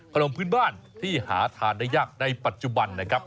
ขนมพื้นบ้านที่หาทานได้ยากในปัจจุบันนะครับ